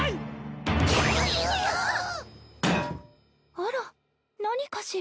あら何かしら？